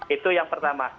itu yang pertama